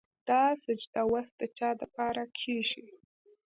دا سجده وس د چا دپاره کيږي